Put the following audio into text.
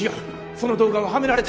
その動画ははめられて。